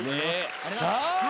さあ。